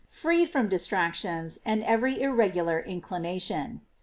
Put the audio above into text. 641 ree from all distractions, and every irregular inclination.